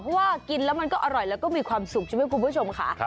เพราะว่ากินแล้วมันก็อร่อยแล้วก็มีความสุขใช่ไหมคุณผู้ชมค่ะ